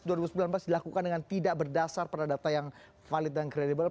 dilakukan dengan tidak berdasar pada data yang valid dan kredibel